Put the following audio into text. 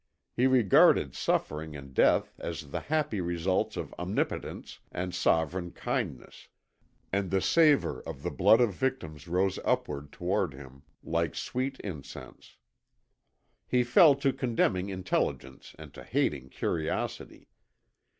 He regarded suffering and death as the happy results of omnipotence and sovereign kindness. And the savour of the blood of victims rose upward towards him like sweet incense. He fell to condemning intelligence and to hating curiosity.